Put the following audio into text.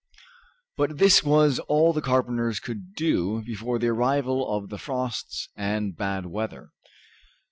But this was all the carpenters could do before the arrival of the frosts and bad weather.